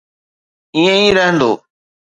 ائين ئي رهندو.